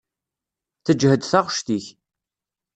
Teǧhed taɣect-ik.